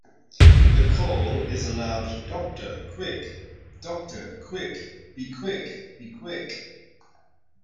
The call is a loud "doctor-quick doctor-quick be-quick be-quick".